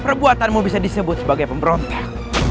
perbuatanmu bisa disebut sebagai pemberontak